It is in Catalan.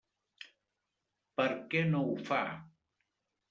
Per què no ho fa?